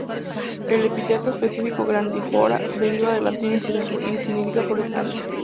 El epíteto específico "grandiflora" deriva del latín y significa "flores grandes".